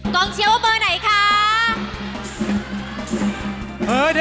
เชียร์ว่าเบอร์ไหนคะ